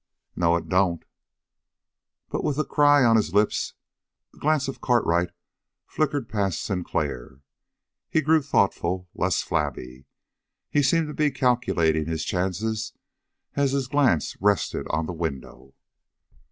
"No, it don't!" But with the cry on his lips, the glance of Cartwright flickered past Sinclair. He grew thoughtful, less flabby. He seemed to be calculating his chances as his glance rested on the window.